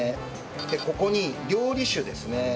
でここに料理酒ですね。